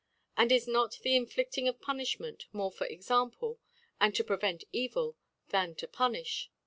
And is not the in flifting ofPunilhment more for Example, and to prevent Evil, than to punifh*?